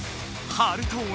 ハルト鬼